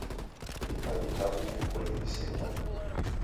W'ika vitabu mfukonyi visenyelo